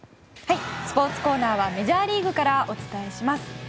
スポーツコーナーはメジャーリーグからお伝えします。